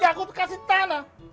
ya aku kasih tanah